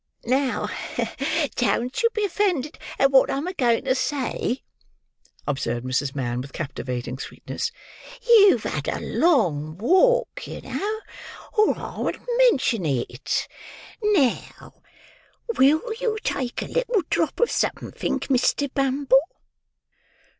"Now don't you be offended at what I'm a going to say," observed Mrs. Mann, with captivating sweetness. "You've had a long walk, you know, or I wouldn't mention it. Now, will you take a little drop of somethink, Mr. Bumble?"